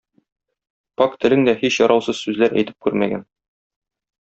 Пакь телең дә һич яраусыз сүзләр әйтеп күрмәгән.